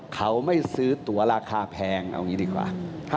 เขาไม่ซื้อตัวราคาแพงเอางี้ดีกว่า